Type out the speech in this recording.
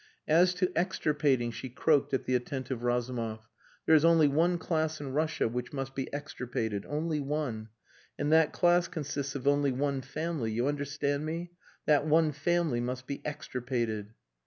"As to extirpating," she croaked at the attentive Razumov, "there is only one class in Russia which must be extirpated. Only one. And that class consists of only one family. You understand me? That one family must be extirpated."